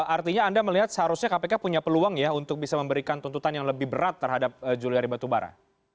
artinya anda melihat seharusnya kpk punya peluang ya untuk bisa memberikan tuntutan yang lebih berat terhadap juliari batubara